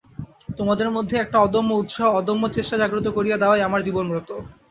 তোমাদের মধ্যে একটা অদম্য উৎসাহ, অদম্য চেষ্টা জাগ্রত করিয়া দেওয়াই আমার জীবনব্রত।